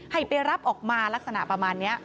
ให้ไปรับออกมาลักษณะประมาณนี้